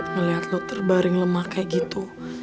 ngelihat lo terbaring lemah kayak gitu